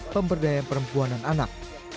pemberdayaan perempuan dan anak